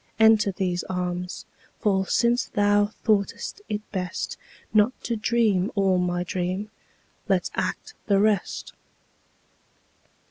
Enter these arms, for since thou thought'st it bestNot to dream all my dream, let's act the rest.